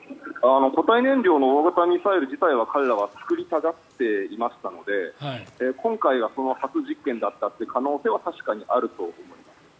固体燃料の大型ミサイル自体は彼らは作りたがっていましたので今回はその初実験だったという可能性は確かにあると思います。